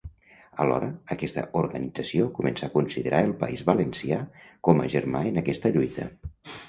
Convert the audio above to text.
Alhora, aquesta organització començà a considerar el País Valencià com a germà en aquesta lluita.